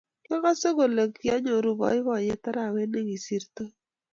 kyagase kole kinyoru boiboiyet arawet nigosirtoi